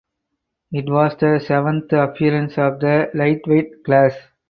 It was the seventh appearance of the lightweight class.